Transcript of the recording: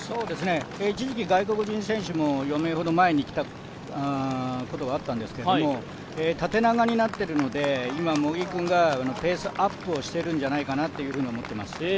一時期外国人選手も４名ほど前に来たことがあったんですけど、縦長になっているので今茂木君がペースアップをしているんじゃないかなと思います。